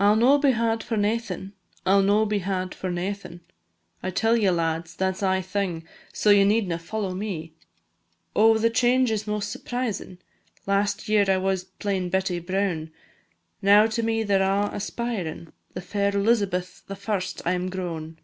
"_ I 'll no be had for naething, I 'll no be had for naething, I tell ye, lads, that 's ae thing, So ye needna follow me. Oh, the change is most surprising, Last year I was plain Betty Brown, Now to me they 're a' aspiring, The fair Elizabeth I am grown!